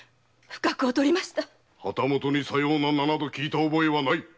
旗本にさような名を聞いた覚えはない！